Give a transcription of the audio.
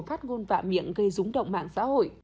phát ngôn vạ miệng gây rúng động mạng xã hội